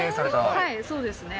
はい、そうですね。